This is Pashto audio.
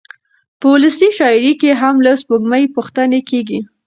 په ولسي شاعرۍ کې هم له سپوږمۍ پوښتنې کېږي.